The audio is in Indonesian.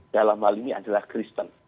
dalam hal ini adalah kristen